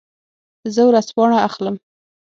زه ورځپاڼه اخلم.